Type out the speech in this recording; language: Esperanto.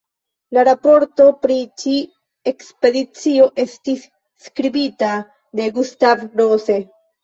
La raporto pri ĉi-ekspedicio estis skribita de Gustav Rose.